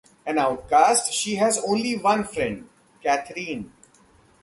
An outcast, she has only one friend, Catherine.